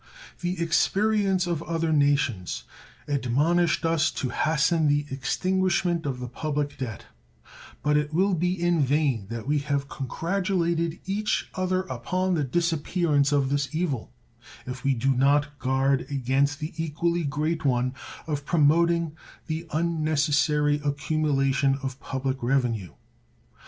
The experience of other nations admonished us to hasten the extinguishment of the public debt; but it will be in vain that we have congratulated each other upon the disappearance of this evil if we do not guard against the equally great one of promoting the unnecessary accumulation of public revenue.